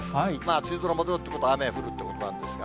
梅雨空戻るということは、雨が降るということなんですが。